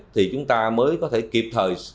thì chúng ta mới có thể kịp thời